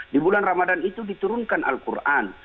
di bulan ramadan itu diturunkan al quran